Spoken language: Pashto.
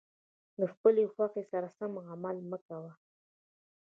د خپلې خوښې سره سم عمل مه کوه.